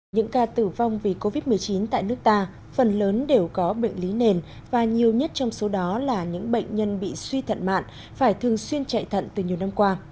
những ca tử vong vì covid một mươi chín tại nước ta phần lớn đều có bệnh lý nền và nhiều nhất trong số đó là những bệnh nhân bị suy thận mạn phải thường xuyên chạy thận từ nhiều năm qua